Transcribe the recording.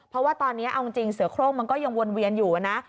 เพราะว่าตอนนี้เอาจริงเสือโครงมันก็ยังวนเวียนอยู่นะ